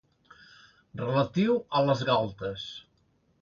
Relatiu a les galtes.